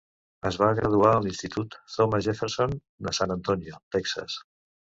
Es va graduar a l'Institut Thomas Jefferson a San Antonio, Texas.